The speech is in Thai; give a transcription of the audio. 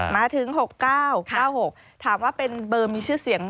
มาถึง๖๙๙๖ถามว่าเป็นเบอร์มีชื่อเสียง